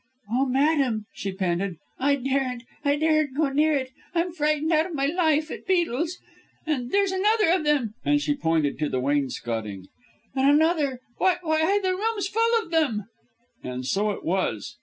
"Oh, madam," she panted, "I daren't! I daren't go near it. I'm frightened out of my life, at beetles. And there's another of them" and she pointed to the wainscoting "and another! Why, the room's full of them!" And so it was.